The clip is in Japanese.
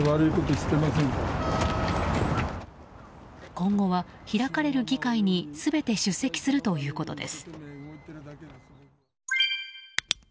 今後は開かれる議会に全て出席するということです。